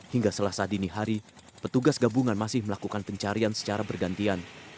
hingga selasa dini hari petugas gabungan masih melakukan pencarian secara bergantian